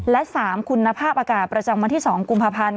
และ๓คุณภาพอากาศประจำวันที่๒กุมภาพันธ์